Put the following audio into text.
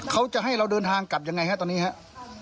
เขาจะให้เราเดินทางกลับยังไงฮะตอนนี้ครับ